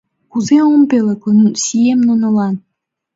Кузе ом пӧлекле сием нунылан!